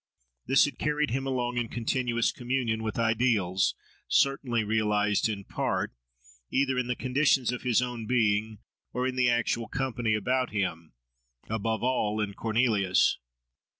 This had carried him along in a continuous communion with ideals, certainly realised in part, either in the conditions of his own being, or in the actual company about him, above all, in Cornelius.